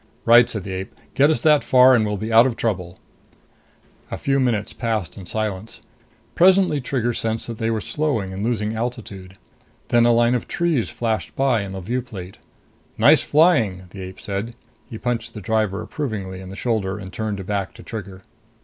"Right," said the ape. "Get us that far and we'll be out of trouble." A few minutes passed in silence. Presently Trigger sensed they were slowing and losing altitude. Then a line of trees flashed by in the view plate. "Nice flying!" the ape said. He punched the driver approvingly in the shoulder and turned back to Trigger.